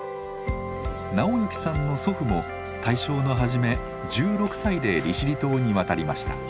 直之さんの祖父も大正の初め１６歳で利尻島に渡りました。